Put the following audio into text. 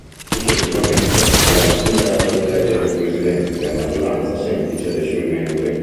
Successivamente, la nuova Assemblea deve eleggere il presidente a maggioranza semplice dei suoi membri.